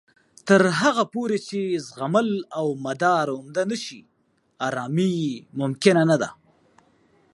تر هغه پورې چې زغمل او مدارا عمده نه شي، ارامۍ ممکنه نه ده